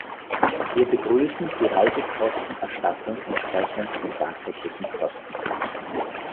Wir begrüßen die Reisekostenerstattung entsprechend den tatsächlichen Kosten.